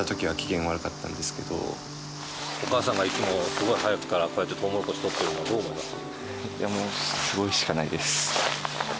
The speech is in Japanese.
お母さんがいつもすごい早くからこうやってトウモロコシとってるのどう思います？